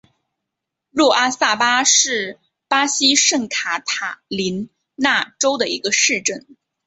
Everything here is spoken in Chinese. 若阿萨巴是巴西圣卡塔琳娜州的一个市镇。